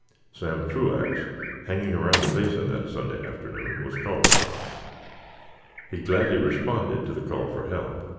Sam Truax, hanging around the Basin that Sunday forenoon, was called upon. He gladly responded to the call for help.